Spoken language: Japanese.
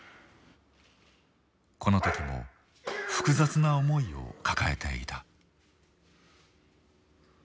この時も複雑な思いを抱えていた。